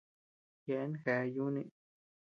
Yeabean gea yùni.